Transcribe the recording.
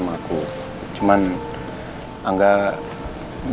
kamu tentang dong